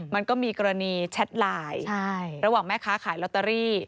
มันก็มีกรณีแชทไลน์ระหว่างแม่ค้าขายลอตเตอรี่